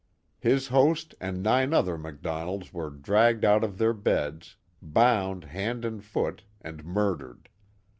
His host and nine other MacDonalds were dragged out of their beds, bound hand and foot, and murdered.